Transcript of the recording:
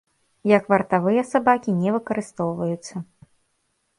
Як вартавыя сабакі не выкарыстоўваюцца.